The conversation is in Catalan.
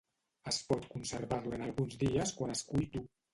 Es pot conservar durant alguns dies quan es cull dur.